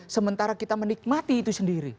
sementara kita menikmati itu sendiri